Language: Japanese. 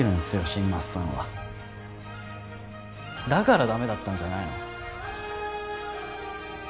新町さんはだからダメだったんじゃないの？